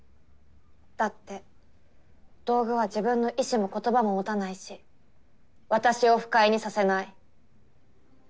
だって道具は自分の意志も言葉も持たないし私を不快にさせない。